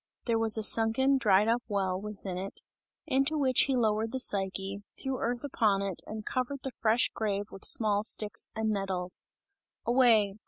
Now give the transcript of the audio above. There was a sunken, dried up well, within it, into which he lowered the Psyche, threw earth upon it and covered the fresh grave with small sticks and nettles. "Away!